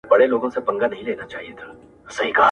چي یې له وینو سره غاټول را ټوکېدلي نه وي،